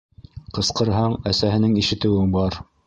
Ҡысҡырһаң, әсәһенең ишетеүе бар.